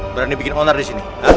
berani bikin onar disini